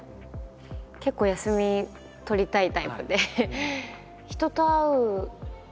結構休み取りたいタイプで。